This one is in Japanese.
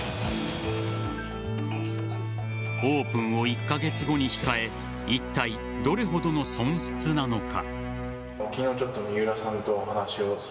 オープンを１カ月後に控えいったいどれほどの損失なのか。